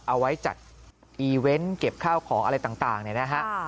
เอาไว้จัดอีเวนต์เก็บข้าวของอะไรต่างเนี่ยนะฮะ